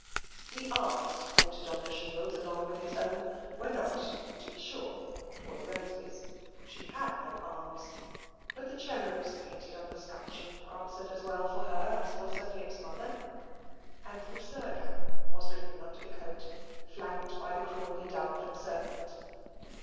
The arms quartered on the shield along with his own were not, to be sure, poor Rose's. She had no arms. But the cherubs painted on the scutcheon answered as well for her as for Sir Pitt's mother, and Resurgam was written under the coat, flanked by the Crawley Dove and Serpent.